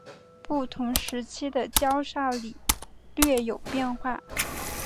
不同时期的叉手礼略有变化。